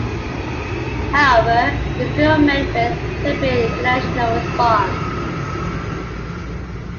However, the film met with tepid international response.